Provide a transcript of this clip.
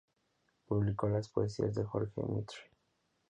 Publicó las poesías de Jorge Mitre.